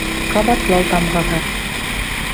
Ҡабатлау тамғаһы